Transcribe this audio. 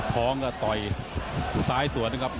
ท้องก็ต่อยซ้ายสวนนะครับ